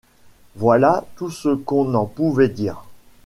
Voilà tout ce qu’on en pouvait dire.